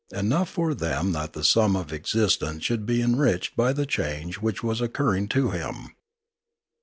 Enough for them that the sum of existence should be enriched by the change which was occurring to him.